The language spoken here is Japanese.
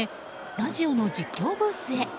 ラジオの実況ブースへ。